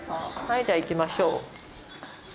はいじゃあ行きましょう。